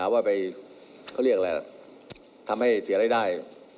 ว่าไปเขาเรียกอะไรทำให้เสียรายได้